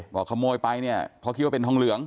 บอกว่าขโมยไปเพราะคิดว่าเป็นท้องเหลือง